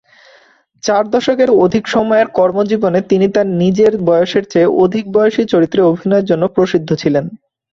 চার দশকের অধিক সময়ের কর্মজীবনে তিনি তার নিজের বয়সের চেয়ে অধিক বয়সী চরিত্রে অভিনয়ের জন্য প্রসিদ্ধ ছিলেন।